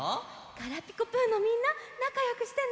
「ガラピコぷ」のみんななかよくしてね。